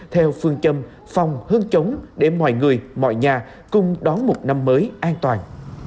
theo phương châm phòng hương chống để mọi người mọi nhà cùng đón một năm mới an toàn